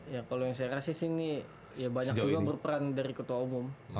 ya kalau yang saya rasa sih ini ya banyak dulu berperan dari ketua umum